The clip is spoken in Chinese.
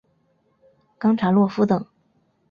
冈察洛夫等。